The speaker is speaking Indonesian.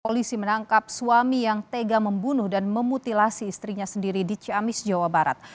polisi menangkap suami yang tega membunuh dan memutilasi istrinya sendiri di ciamis jawa barat